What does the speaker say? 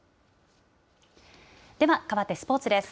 ではかわってスポーツです。